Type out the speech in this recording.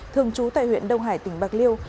thường trú tại huyện đông hải tỉnh bạc liêu